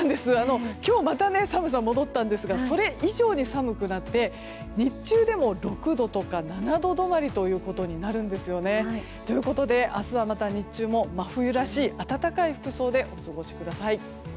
今日また寒さが戻ったんですがそれ以上に寒くなって日中でも６度とか７度止まりとなるんですね。ということで明日は日中も真冬らしい暖かい服装でお過ごしください。